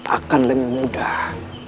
akan lebih mudah